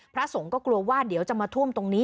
พระสงฆ์ก็กลัวว่าเดี๋ยวจะมาท่วมตรงนี้